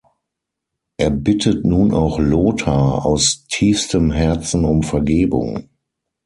Er bittet nun auch Lothar aus tiefstem Herzen um Vergebung.